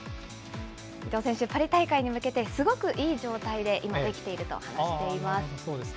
伊藤選手、パリ大会に向けて、すごくいい状態で今、できていると話しています。